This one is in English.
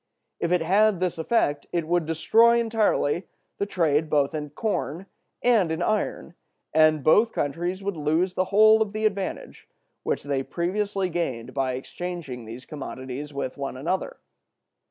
If it had this effect, it would destroy entirely the trade both in corn and in iron, and both countries would lose the whole of the advantage which they previously gained by exchanging those commodities with one another.